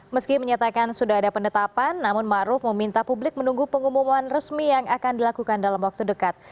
meski menyatakan sudah ada penetapan namun ⁇ maruf ⁇ meminta publik menunggu pengumuman resmi yang akan dilakukan dalam waktu dekat